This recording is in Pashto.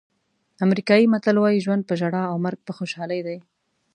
امریکایي متل وایي ژوند په ژړا او مرګ په خوشحالۍ دی.